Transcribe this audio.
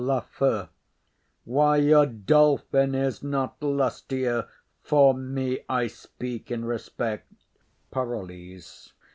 LAFEW. Why, your dolphin is not lustier; fore me, I speak in respect— PAROLLES.